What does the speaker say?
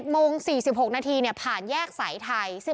โมง๔๖นาทีผ่านแยกสายไทย